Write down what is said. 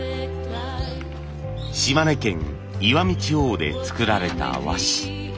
島根県石見地方で作られた和紙。